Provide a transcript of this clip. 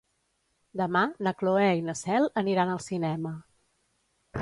Demà na Cloè i na Cel aniran al cinema.